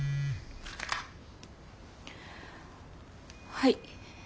はい。